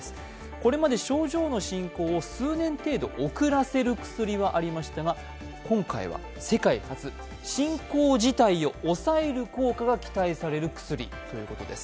これまで症状の進行を数年程度遅らせる薬はありましたが、今回は世界初、進行自体を抑える効果が期待される薬ということです。